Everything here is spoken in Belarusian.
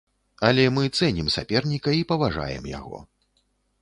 Але мы цэнім саперніка і паважаем яго.